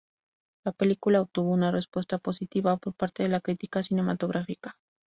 La película obtuvo una respuesta positiva por parte de la crítica cinematográfica.